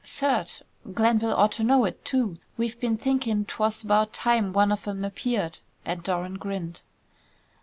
"Cert. Glenville ought to know it, too. We've been thinking 'twas about time one of 'em appeared," and Doran grinned.